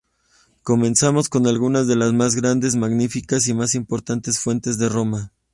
Comenzamos con algunas de las más grandes, magníficas y más importantes fuentes de Roma.